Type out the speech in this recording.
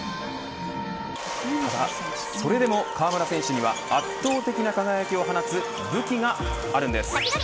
ただそれでも、河村選手には圧倒的な輝きを放つ武器があるんです。